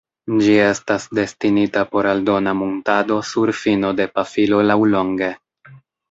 Ĝi estas destinita por aldona muntado sur fino de pafilo laŭlonge.